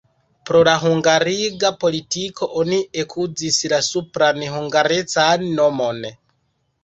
Pro la hungariga politiko oni ekuzis la supran hungarecan nomon.